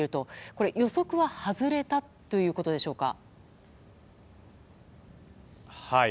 これ、予測は外れたということでしょうか。